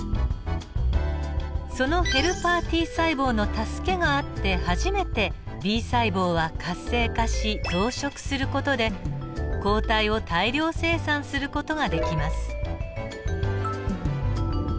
そのヘルパーＴ細胞の助けがあって初めてＢ細胞は活性化し増殖する事で抗体を大量生産する事ができます。